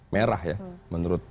merah ya menurut